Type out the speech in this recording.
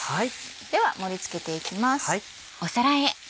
では盛り付けていきます。